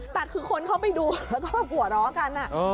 แต่คือคนเข้าไปดูแล้วก็แบบหัวเราะกัน